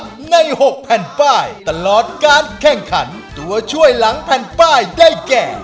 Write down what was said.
ใน๖แผ่นป้ายตลอดการแข่งขันตัวช่วยหลังแผ่นป้ายได้แก่